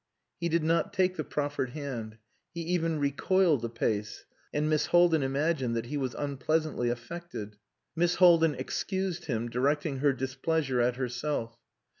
He did not take the proffered hand. He even recoiled a pace, and Miss Haldin imagined that he was unpleasantly affected. Miss Haldin excused him, directing her displeasure at herself.